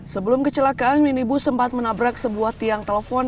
sebelum kecelakaan minibus sempat menabrak sebuah tiang telepon